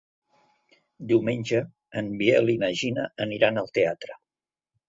Diumenge en Biel i na Gina aniran al teatre.